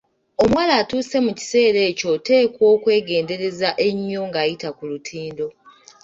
Omuwala atuuse mu kiseera ekyo oteekwa okwegendereza ennyo ng'ayita ku lutindo.